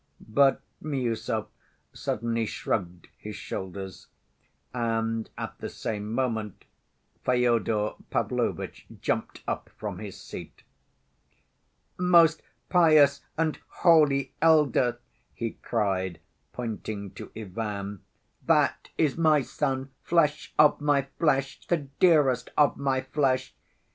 But Miüsov suddenly shrugged his shoulders. And at the same moment Fyodor Pavlovitch jumped up from his seat. "Most pious and holy elder," he cried, pointing to Ivan, "that is my son, flesh of my flesh, the dearest of my flesh!